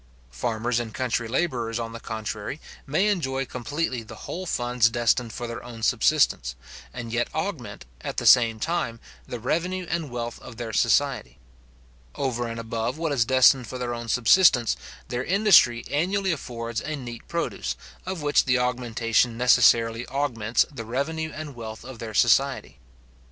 Farmers and country labourers, on the contrary, may enjoy completely the whole funds destined for their own subsistence, and yet augment, at the same time, the revenue and wealth of their society. Over and above what is destined for their own subsistence, their industry annually affords a neat produce, of which the augmentation necessarily augments the revenue and wealth of their society.